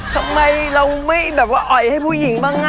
ทำไมเราไม่แบบว่าอ่อยให้ผู้หญิงบ้างอ่ะ